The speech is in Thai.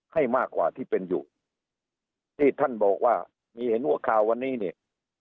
ให้มากกว่าที่เป็นอยู่ที่ท่านบอกว่ามีเห็นหัวข่าววันนี้เนี่ย